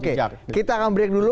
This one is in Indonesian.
oke kita akan break dulu